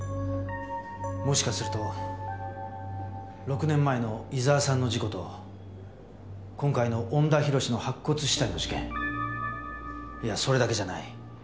もしかすると６年前の伊沢さんの事故と今回の恩田浩の白骨死体の事件いやそれだけじゃない。